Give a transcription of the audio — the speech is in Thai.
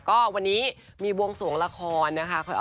ก็วันนี้มีบวงสวงละครนะคะ